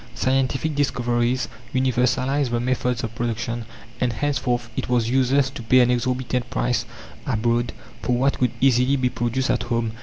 Scientific discoveries universalized the methods of production, and henceforth it was useless to pay an exorbitant price abroad for what could easily be produced at home.